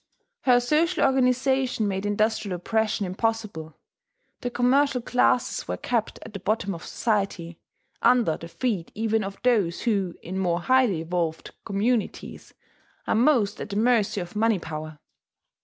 Her social organization made industrial oppression impossible: the commercial classes were kept at the bottom of society, under the feet even of those who, in more highly evolved communities, are most at the mercy of money power.